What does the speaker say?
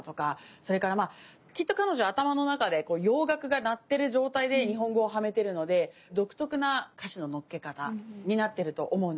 それからまあきっと彼女は頭の中で洋楽が鳴ってる状態で日本語をはめてるので独特な歌詞の乗っけ方になってると思うんです。